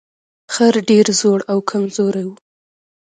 خر ډیر زوړ او کمزوری و.